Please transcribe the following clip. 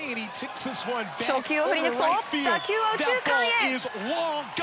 初球を振り抜くと打球は右中間へ。